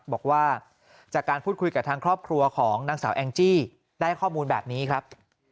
บอกว่าจากการพูดคุยกับทางครอบครัวของนางสาวแองจี้ได้ข้อมูลแบบนี้ครับ